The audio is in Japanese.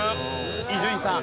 伊集院さん。